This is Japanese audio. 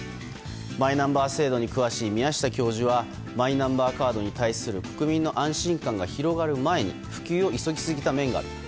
マイナンバー制度に詳しい宮下教授はマイナンバーカードに対する国民の安心感が広がる前に普及を急ぎすぎた面がある。